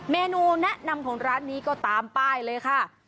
เมนูแนะนำของร้านนี้ก็ตามป้ายเลยค่ะ